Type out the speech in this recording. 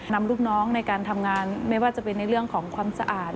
นำลูกน้องในการทำงานไม่ว่าจะเป็นในเรื่องของความสะอาด